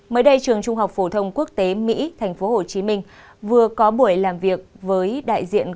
mới đây trường trung học phổ thông quốc tế mỹ tp hcm vừa có buổi làm việc với đại diện